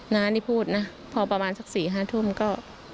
น้านี่พูดนะพอประมาณสัก๔๕ทุ่มก็